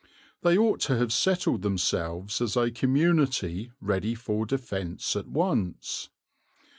They ought to have settled themselves as a community ready for defence at once.